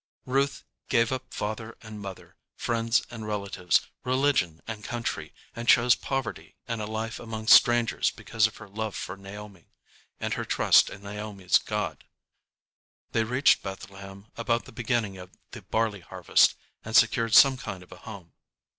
'"] Ruth gave up father and mother, friends and relatives, religion and country, and chose poverty and a life among strangers because of her love for Naomi, and her trust in Naomi's God. They reached Bethlehem about the beginning of the barley harvest, and secured some kind of a home.